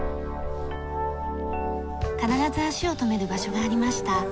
必ず足を止める場所がありました。